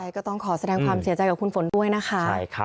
ก็ต้องขอแสดงความเสียใจกับคุณฝนด้วยนะคะ